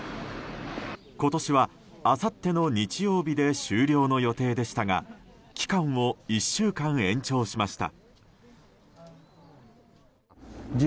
今年は、あさっての日曜日で終了の予定でしたが期間を１週間延長しました。